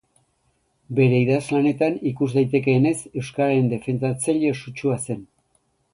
Bere idazlanetan ikus daitekeenez, euskararen defendatzaile sutsua zen.